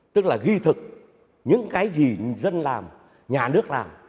tức là ghi thực những cái gì dân làm nhà nước làm